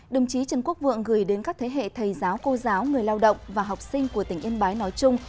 đồng chí trần quốc vượng gửi đến các thế hệ thầy giáo cô giáo người lao động và học sinh của tỉnh yên bái nói chung